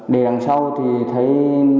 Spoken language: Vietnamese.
để đằng sau thì thấy